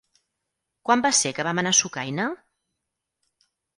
Quan va ser que vam anar a Sucaina?